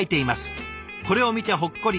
これを見てほっこり。